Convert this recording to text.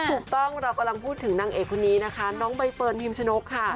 ถูกต้องเรากำลังพูดถึงนางเอกคนนี้นะคะน้องใบเฟิร์นพิมชนกค่ะ